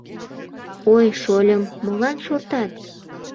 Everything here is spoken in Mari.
Ой, шольым, молан шортат?